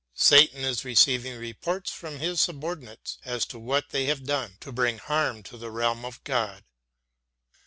Satan is receiving reports from his subordinates as to what they have done to bring harm to the realm of God.